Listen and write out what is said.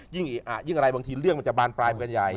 ยิ่งเอกอ่ะยิ่งอะไรบางทีเรื่องมันจะบานปลายมากันใหญ่นะ